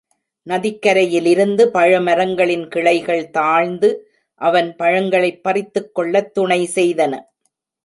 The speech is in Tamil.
நதிக்கரையிலிருந்து பழமரங்களின் கிளைகள் தாழ்ந்து அவன் பழங்களைப் பறித்துக் கொள்ளத் துணைசெய்தன.